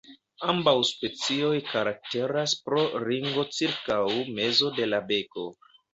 Ambaŭ specioj karakteras pro ringo cirkaŭ mezo de la beko.